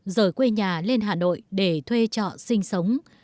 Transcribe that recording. rời quê nhà lên hà nội để thuê trọ sinh sống